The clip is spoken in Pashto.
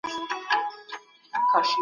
ګاونډیانو به سیاسي ستونزي حل کولې.